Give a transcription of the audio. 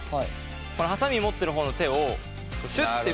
このハサミ持ってる方の手をシュッて。